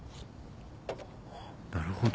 なるほど。